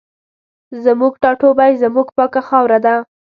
زموږ ټاټوبی زموږ پاکه خاوره ده